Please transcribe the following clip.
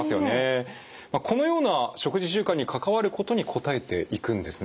このような食事習慣に関わることに答えていくんですね？